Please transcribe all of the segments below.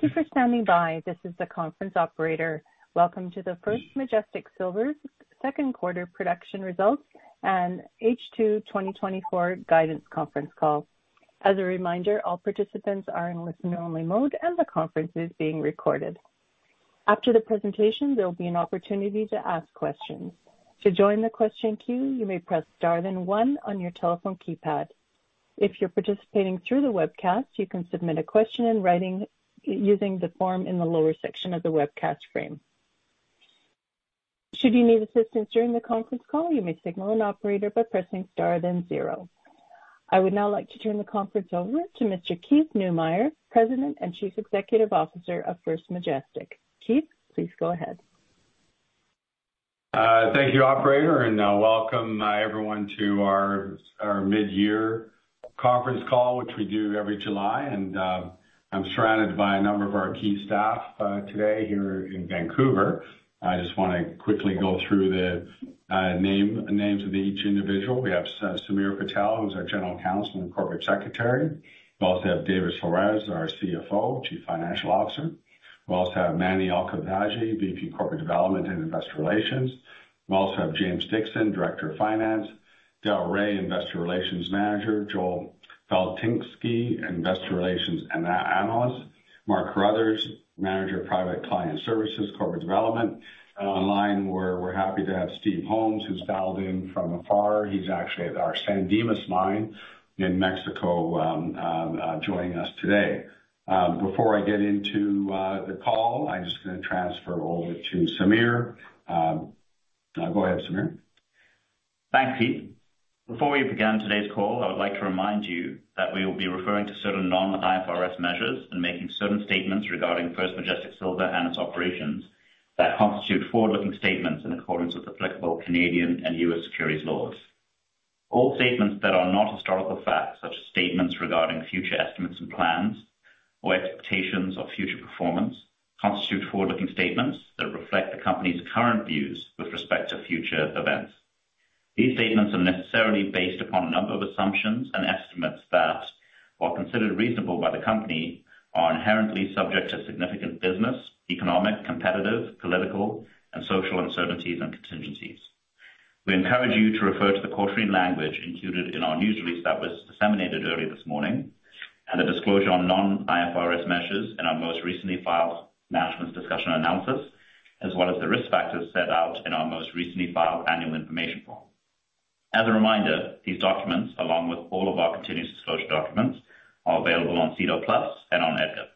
Thank you for standing by. This is the conference operator. Welcome to the First Majestic Silver's second quarter production results and H2 2024 guidance conference call. As a reminder, all participants are in listen-only mode, and the conference is being recorded. After the presentation, there will be an opportunity to ask questions. To join the question queue, you may press star then one on your telephone keypad. If you're participating through the webcast, you can submit a question in writing using the form in the lower section of the webcast frame. Should you need assistance during the conference call, you may signal an operator by pressing star, then zero. I would now like to turn the conference over to Mr. Keith Neumeyer, President and Chief Executive Officer of First Majestic. Keith, please go ahead. Thank you, operator, and welcome, everyone, to our mid-year conference call, which we do every July, and I'm surrounded by a number of our key staff today here in Vancouver. I just wanna quickly go through the names of each individual. We have Samir Patel, who's our General Counsel and Corporate Secretary. We also have David Soares, our CFO, Chief Financial Officer. We also have Mani Alkhafaji, VP Corporate Development and Investor Relations. We also have James Dickson, Director of Finance, Darrell Rae, Investor Relations Manager, Joel Faltinsky, Investor Relations Analyst, Mark Carruthers, Manager of Private Client Services, Corporate Development. Online, we're happy to have Steve Holmes, who's dialed in from afar. He's actually at our San Dimas mine in Mexico, joining us today. Before I get into the call, I'm just gonna transfer over to Samir. Go ahead, Samir. Thanks, Keith. Before we begin today's call, I would like to remind you that we will be referring to certain non-IFRS measures and making certain statements regarding First Majestic Silver and its operations that constitute forward-looking statements in accordance with applicable Canadian and U.S. securities laws. All statements that are not historical facts, such as statements regarding future estimates and plans or expectations of future performance, constitute forward-looking statements that reflect the company's current views with respect to future events. These statements are necessarily based upon a number of assumptions and estimates that, while considered reasonable by the company, are inherently subject to significant business, economic, competitive, political, and social uncertainties and contingencies. We encourage you to refer to the cautionary language included in our news release that was disseminated earlier this morning and the disclosure on non-IFRS measures in our most recently filed management's discussion and analysis, as well as the risk factors set out in our most recently filed annual information form. As a reminder, these documents, along with all of our continuous disclosure documents, are available on SEDAR+ and on EDGAR.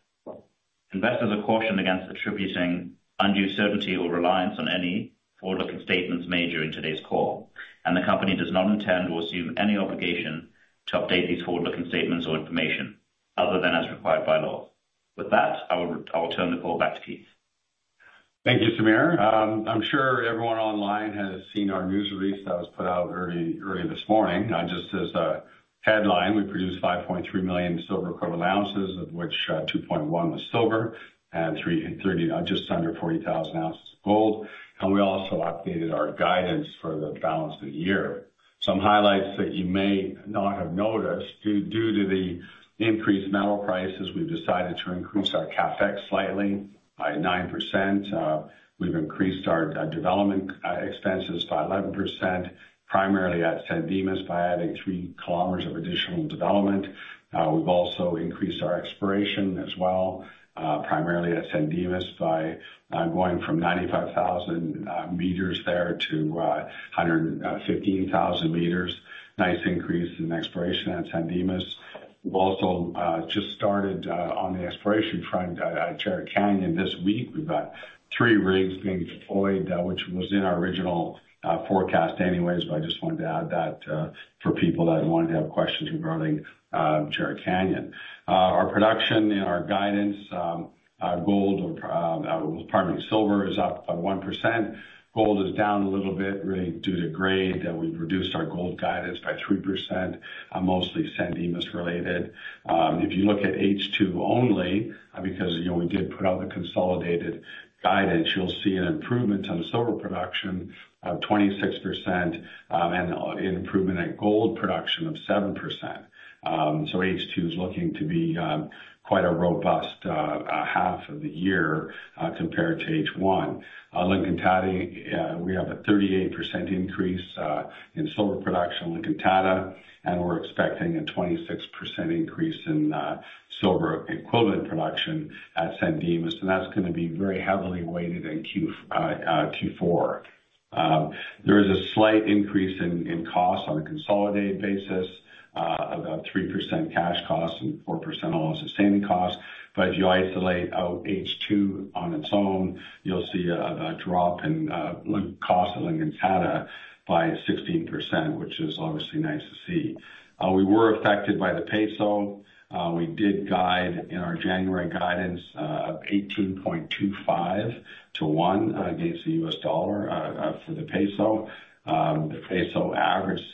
Investors are cautioned against attributing undue certainty or reliance on any forward-looking statements made during today's call, and the company does not intend or assume any obligation to update these forward-looking statements or information other than as required by law. With that, I will turn the call back to Keith. Thank you, Samir. I'm sure everyone online has seen our news release that was put out early, early this morning. Just as a headline, we produced 5.3 million silver equivalent oz, of which 2.1 was silver and just under 40,000 oz of gold, and we also updated our guidance for the balance of the year. Some highlights that you may not have noticed, due to the increased metal prices, we've decided to increase our CapEx slightly by 9%, we've increased our development expenses by 11%, primarily at San Dimas, by adding 3 km of additional development. We've also increased our exploration as well, primarily at San Dimas, by going from 95,000 m there to 115,000 m. Nice increase in exploration at San Dimas. We've also just started on the exploration front at Jerritt Canyon this week. We've got three rigs being deployed, which was in our original forecast anyways, but I just wanted to add that for people that wanted to have questions regarding Jerritt Canyon. Our production and our guidance, gold or, pardon me, silver is up by 1%. Gold is down a little bit, really due to grade, and we've reduced our gold guidance by 3%, mostly San Dimas related. If you look at H2 only, because, you know, we did put out the consolidated guidance, you'll see an improvement on silver production of 26%, and an improvement in gold production of 7%. So H2 is looking to be quite a robust half of the year compared to H1. La Encantada, we have a 38% increase in silver production, La Encantada, and we're expecting a 26% increase in silver equivalent production at San Dimas, and that's gonna be very heavily weighted in Q4. There is a slight increase in cost on a consolidated basis, about 3% cash costs and 4% all-in sustaining costs. But if you isolate out H2 on its own, you'll see a drop in cost at La Encantada by 16%, which is obviously nice to see. We were affected by the peso. We did guide in our January guidance of 18.25:1 against the US dollar for the peso. The peso averaged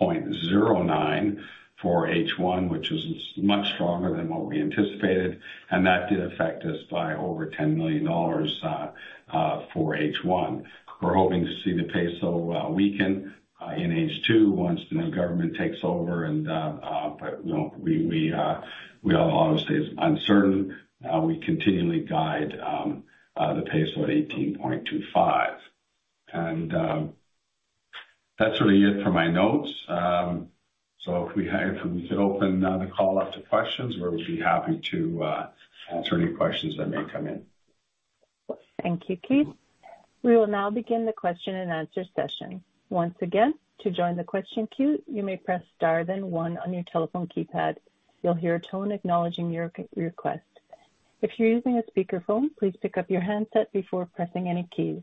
17.09 for H1, which is much stronger than what we anticipated, and that did affect us by over $10 million for H1. We're hoping to see the peso weaken in H2 once the new government takes over and, but, you know, we have a lot of uncertainty. We continually guide the peso at 18.25. And that's really it for my notes. So if we could open the call up to questions, we'd be happy to answer any questions that may come in. Thank you, Keith. We will now begin the question and answer session. Once again, to join the question queue, you may press Star, then one on your telephone keypad. You'll hear a tone acknowledging your request. If you're using a speakerphone, please pick up your handset before pressing any keys.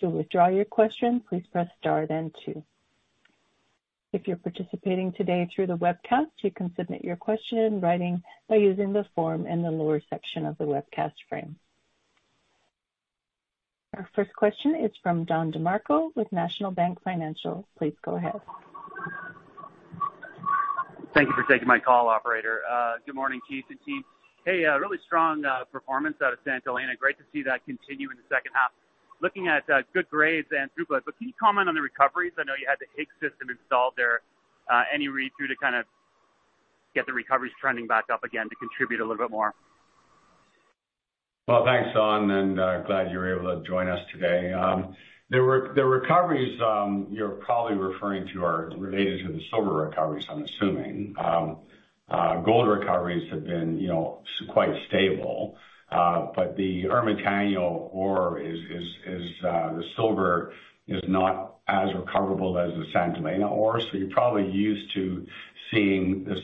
To withdraw your question, please press Star then two. If you're participating today through the webcast, you can submit your question in writing by using the form in the lower section of the webcast frame. Our first question is from Don DeMarco with National Bank Financial. Please go ahead. Thank you for taking my call, operator. Good morning, Keith and team. Hey, a really strong performance out of Santa Elena. Great to see that continue in the second half. Looking at good grades and throughput, but can you comment on the recoveries? I know you had the HIG system installed there. Any read-through to kind of get the recoveries trending back up again to contribute a little bit more? Well, thanks, Don, and, glad you were able to join us today. The recoveries you're probably referring to are related to the silver recoveries, I'm assuming. Gold recoveries have been, you know, quite stable, but the Hermitaño ore is, the silver is not as recoverable as the Santa Elena ore. So you're probably used to seeing this,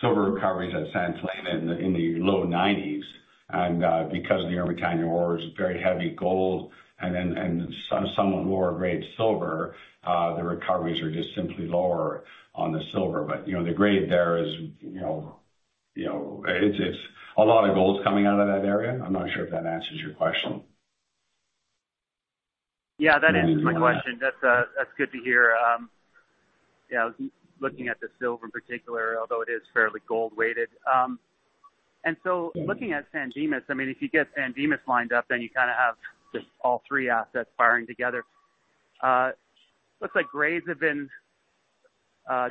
silver recoveries at Santa Elena in the, in the low nineties. And, because the Hermitaño ore is very heavy gold and then, and somewhat lower grade silver, the recoveries are just simply lower on the silver. But, you know, the grade there is, you know, you know, it's, it's a lot of gold coming out of that area. I'm not sure if that answers your question. Yeah, that answers my question. That's, that's good to hear. Yeah, looking at the silver in particular, although it is fairly gold weighted. And so looking at San Dimas, I mean, if you get San Dimas lined up, then you kind of have just all three assets firing together. Looks like grades have been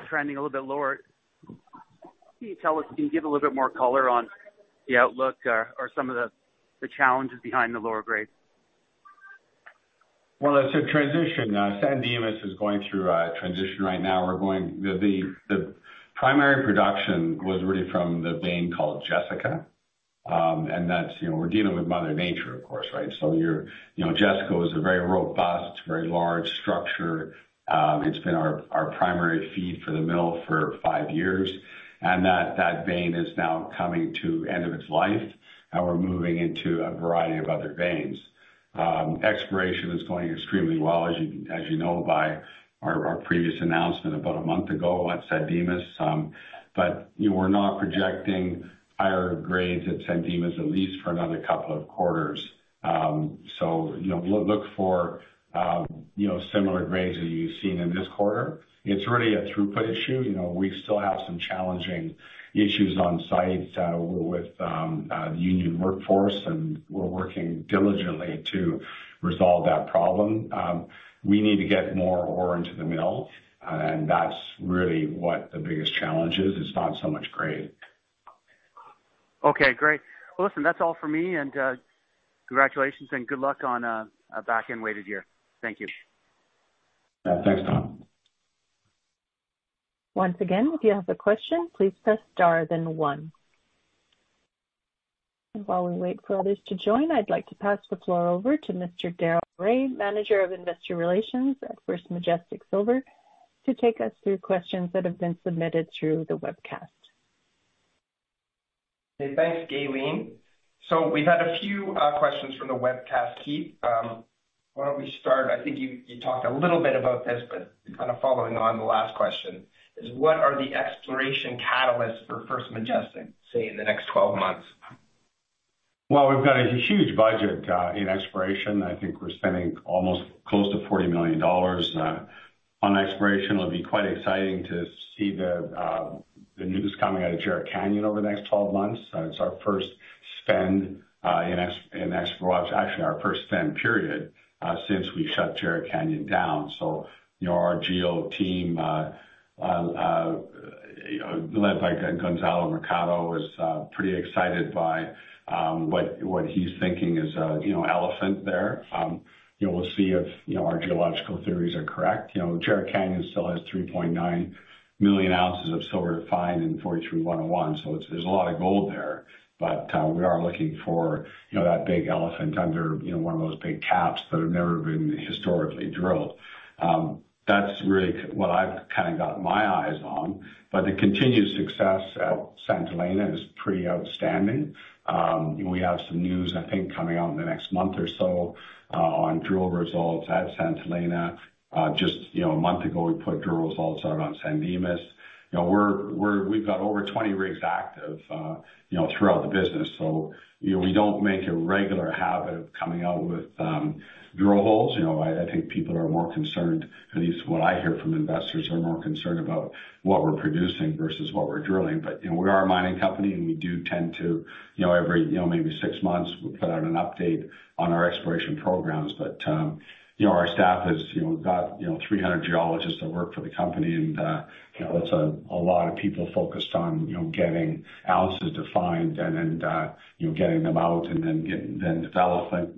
trending a little bit lower. Can you tell us, can you give a little bit more color on the outlook or, or some of the, the challenges behind the lower grades? Well, it's a transition. San Dimas is going through a transition right now. The primary production was really from the vein called Jessica. And that's, you know, we're dealing with mother nature, of course, right? So you're, you know, Jessica is a very robust, very large structure. It's been our primary feed for the mill for five years, and that vein is now coming to end of its life, and we're moving into a variety of other veins. Exploration is going extremely well, as you know, by our previous annozment about a month ago at San Dimas. But, you know, we're not projecting higher grades at San Dimas, at least for another couple of quarters. So, you know, look for, you know, similar grades that you've seen in this quarter. It's really a throughput issue. You know, we still have some challenging issues on site, with the union workforce, and we're working diligently to resolve that problem. We need to get more ore into the mill, and that's really what the biggest challenge is. It's not so much grade. Okay, great. Well, listen, that's all for me, and congratulations and good luck on a back-end weighted year. Thank you. Thanks, Don. Once again, if you have a question, please press star then one. While we wait for others to join, I'd like to pass the floor over to Mr. Darrell Rae, Manager of Investor Relations at First Majestic Silver, to take us through questions that have been submitted through the webcast. Hey, thanks, Gaylene. So we've had a few questions from the webcast team. Why don't we start? I think you, you talked a little bit about this, but kind of following on the last question is, what are the exploration catalysts for First Majestic, say, in the next 12 months? Well, we've got a huge budget in exploration. I think we're spending almost close to $40 million on exploration. It'll be quite exciting to see the news coming out of Jerritt Canyon over the next 12 months. It's our first spend in exploration, actually our first spend period, since we shut Jerritt Canyon down. So, you know, our geo team led by Gonzalo Mercado is pretty excited by what he's thinking is a, you know, elephant there. You know, we'll see if, you know, our geological theories are correct. You know, Jerritt Canyon still has 3.9 million oz of silver refined and 43-101, so it's. There's a lot of gold there. But, we are looking for, you know, that big elephant under, you know, one of those big caps that have never been historically drilled. That's really what I've kind of got my eyes on, but the continued success at Santa Elena is pretty outstanding. We have some news, I think, coming out in the next month or so, on drill results at Santa Elena. Just, you know, a month ago, we put drill results out on San Dimas. You know, we're, we're- we've got over 20 rigs active, you know, throughout the business, so, you know, we don't make a regular habit of coming out with, drill holes. You know, I, I think people are more concerned, at least what I hear from investors, are more concerned about what we're producing versus what we're drilling. But, you know, we are a mining company, and we do tend to, you know, every, you know, maybe six months, we put out an update on our exploration programs. But, you know, our staff has, you know, got, you know, 300 geologists that work for the company, and, you know, that's a, a lot of people focused on, you know, getting oz defined and then, you know, getting them out and then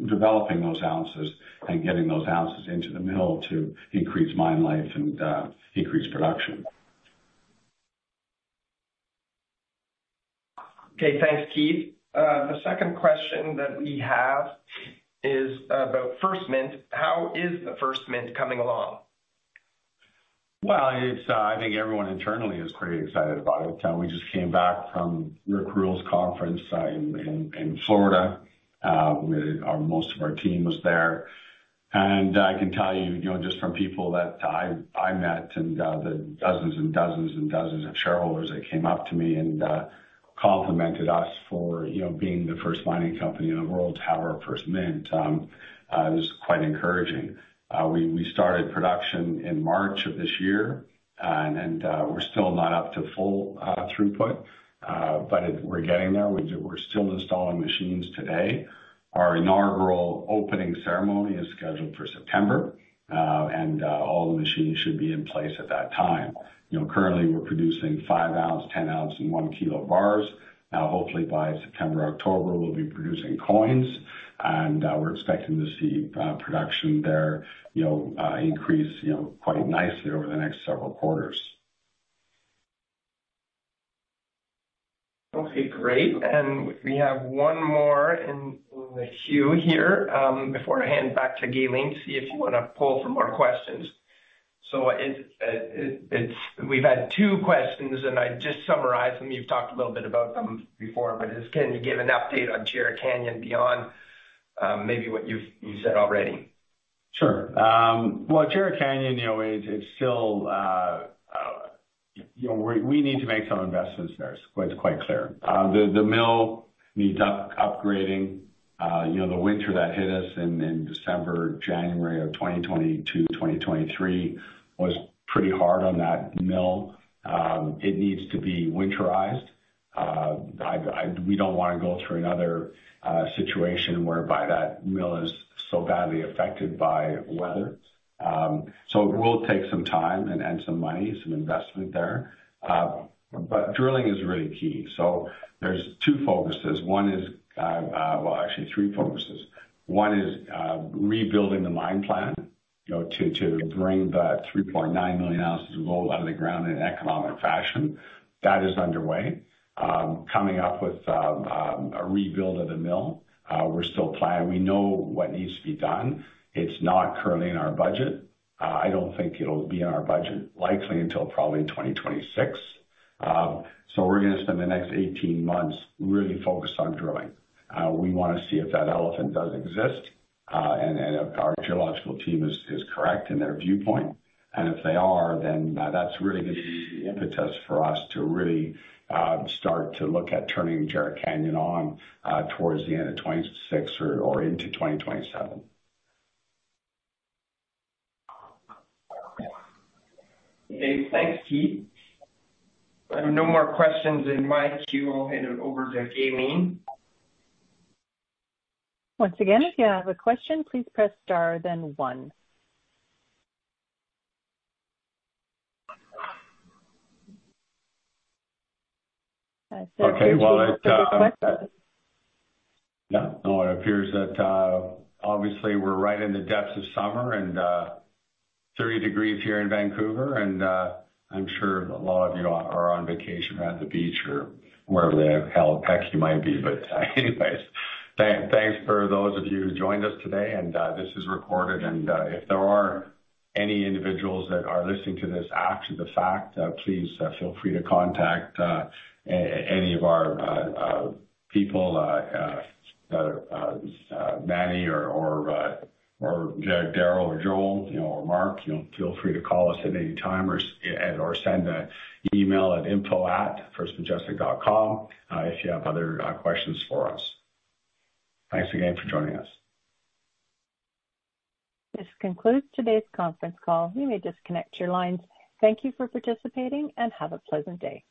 developing those oz and getting those oz into the mill to increase mine life and, increase production. Okay, thanks, Keith. The second question that we have is about First Mint. How is the First Mint coming along? Well, it's. I think everyone internally is pretty excited about it. We just came back from Rick Rule's conference in Florida. Most of our team was there. And I can tell you, you know, just from people that I met and the dozens and dozens and dozens of shareholders that came up to me and complimented us for, you know, being the first mining company in the world to have our First Mint, it was quite encouraging. We started production in March of this year, and we're still not up to full throughput, but we're getting there. We're still installing machines today. Our inaugural opening ceremony is scheduled for September, and all the machines should be in place at that time. You know, currently, we're producing 5-oz, 10-oz, and 1-kg bars. Hopefully by September or October, we'll be producing coins, and we're expecting to see production there, you know, increase, you know, quite nicely over the next several quarters. Okay, great. And we have one more in the queue here. Before I hand it back to Gaylene, see if you want to pull for more questions. We've had two questions, and I just summarized them. You've talked a little bit about them before, but it's, "Can you give an update on Jerritt Canyon beyond maybe what you've said already? Sure. Well, Jerritt Canyon, you know, it, it's still, you know, we, we need to make some investments there. It's quite, quite clear. The, the mill needs upgrading. You know, the winter that hit us in, in December, January of 2022 to 2023 was pretty hard on that mill. It needs to be winterized. We don't want to go through another situation whereby that mill is so badly affected by weather. So it will take some time and, and some money, some investment there. But drilling is really key. So there's two focuses. One is, actually, three focuses. One is, rebuilding the mine plan, you know, to, to bring that 3.9 million oz of gold out of the ground in an economic fashion. That is underway. Coming up with a rebuild of the mill, we're still planning. We know what needs to be done. It's not currently in our budget. I don't think it'll be in our budget, likely, until probably 2026. So we're going to spend the next 18 months really focused on drilling. We want to see if that elephant does exist, and if our geological team is correct in their viewpoint. And if they are, then that's really going to be the impetus for us to really start to look at turning Jerritt Canyon on, towards the end of 2026 or into 2027. Okay, thanks, Keith. I have no more questions in my queue. I'll hand it over to Gaylene. Once again, if you have a question, please press star, then one. Okay, well, it... you have a question. No, no, it appears that obviously, we're right in the depths of summer and 30 degrees here in Vancouver, and I'm sure a lot of you are on vacation at the beach or wherever the hell heck you might be. But, anyways, thanks for those of you who joined us today, and this is recorded. If there are any individuals that are listening to this after the fact, please feel free to contact any of our people, Mani or Darrell or Joel, you know, or Mark. You know, feel free to call us at any time or send an email at info@firstmajestic.com if you have other questions for us. Thanks again for joining us. This concludes today's conference call. You may disconnect your lines. Thank you for participating, and have a pleasant day.